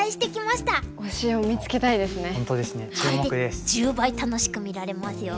これで１０倍楽しく見られますよ。